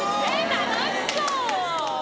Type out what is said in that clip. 楽しそう。